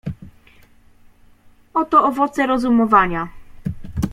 "Oto owoce rozumowania."